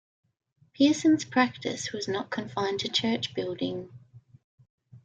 Pearson's practice was not confined to church building.